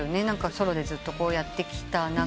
ソロでずっとやってきた流れで。